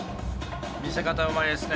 見せ方うまいですね。